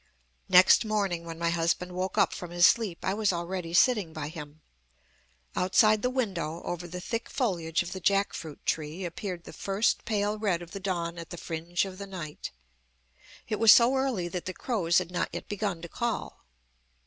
"Next morning, when my husband woke up from his sleep, I was already sitting by him. Outside the window, over the thick foliage of the jack fruit tree, appeared the first pale red of the dawn at the fringe of the night. It was so early that the crows had not yet begun to call.